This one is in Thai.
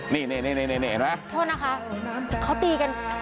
นี่นี่นี่นี่นี่นี่เห็นไหมโทษนะคะเขาตีกัน